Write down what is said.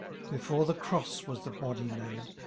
Beiore the cross was the body laid.